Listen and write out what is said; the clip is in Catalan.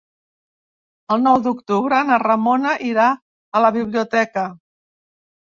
El nou d'octubre na Ramona irà a la biblioteca.